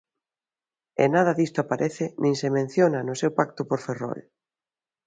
E nada disto aparece nin se menciona no seu pacto por Ferrol.